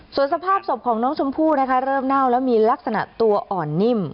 ส่วนสภาพศพของน้องชมพู่นะคะเริ่มเน่าแล้วมีลักษณะตัวอ่อนนิ่ม